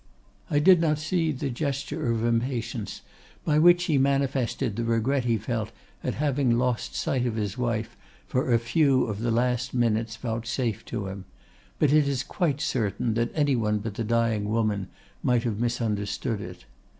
I did not see the gesture of impatience by which he manifested the regret he felt at having lost sight of his wife for a few of the last minutes vouchsafed to him; but it is quite certain that any one but the dying woman might have misunderstood it.